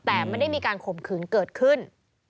แต่ไม่ได้มีการข่มขืนเกิดขึ้น